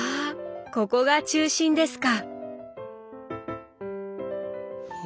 ここが中心ですか！